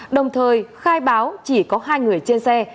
đồng thời khai báo chỉ có hai người trên xe